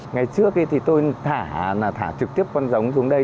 ngày trước thì tôi thả là thả trực tiếp con giống xuống đây